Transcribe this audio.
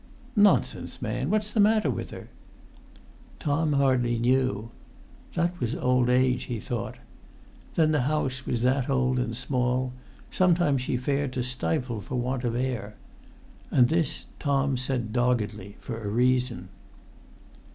"Nonsense, man! What's the matter with her?" Tom hardly knew. That was old age, he thought. Then the house was that old and small; sometimes she fared to stifle for want of air. And this Tom said doggedly, for a reason.